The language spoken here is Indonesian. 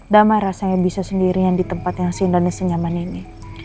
damai rasanya bisa sendirian di tempat yang seindahnya senyaman ini